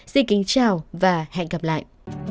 xin kính chào và hẹn gặp lại